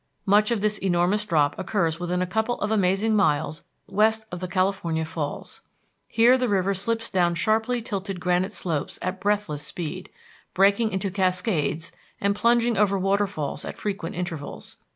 Much of this enormous drop occurs within a couple of amazing miles west of the California Falls. Here the river slips down sharply tilted granite slopes at breathless speed, breaking into cascades and plunging over waterfalls at frequent intervals.